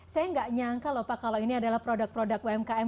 saya nggak nyangka loh pak kalau ini adalah produk produk umkm